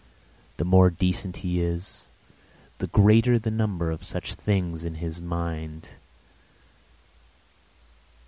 The more decent he is, the greater the number of such things in his mind.